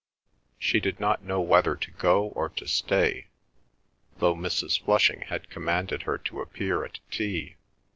She did not know whether to go or to stay, though Mrs. Flushing had commanded her to appear at tea.